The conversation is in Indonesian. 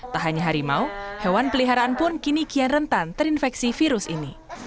tak hanya harimau hewan peliharaan pun kini kian rentan terinfeksi virus ini